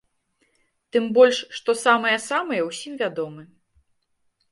Тым больш, што самыя-самыя ўсім вядомы.